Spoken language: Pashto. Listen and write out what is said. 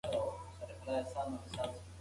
دا هر څه په یو دقیق او اندازه شوي حساب روان دي.